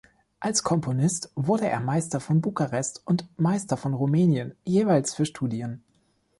Als Komponist wurde er Meister von Bukarest und Meister von Rumänien, jeweils für Studien.